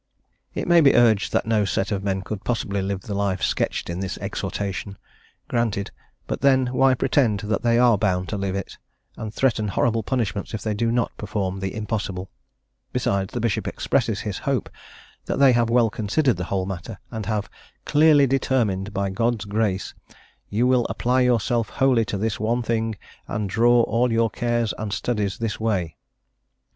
It may be urged that no set of men could possibly live the life sketched in this exhortation: granted; but, then, why pretend that they are bound to live it, and threaten horrible punishments if they do not perform the impossible? Besides, the bishop expresses his hope that they have well considered the whole matter, and have "clearly determined, by God's grace... you will apply yourself wholly to this one thing, and draw all your cares and studies this way."